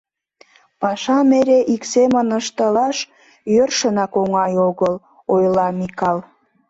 — Пашам эре ик семын ыштылаш йӧршынак оҥай огыл, — ойла Микал.